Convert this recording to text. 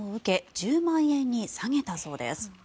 １０万円に下げたそうです。